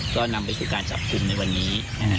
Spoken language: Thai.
ก็นำไปสู่การจับกลุ่มในวันนี้